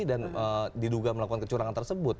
dan diduga melakukan kecurangan tersebut